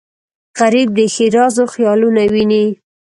غریب د ښېرازو خیالونه ویني